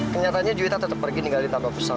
kenyatanya cuyita tetap pergi tinggal di tanduak pesan